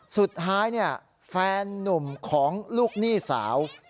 สุดท้ายแฟนนุ่มของลูกหนี้สาว